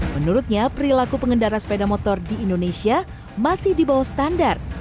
menurutnya perilaku pengendara sepeda motor di indonesia masih di bawah standar